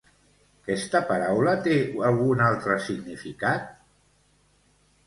Aquesta paraula té algun altre significat?